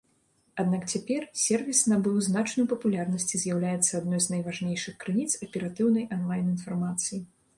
Аднак цяпер сервіс набыў значную папулярнасць і з'яўляецца адной з найважнейшых крыніц аператыўнай анлайн-інфармацыі.